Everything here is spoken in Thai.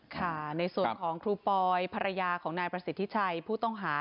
ค่ะในส่วนของครูปอยภรรยาของนายประสิทธิชัยผู้ต้องหา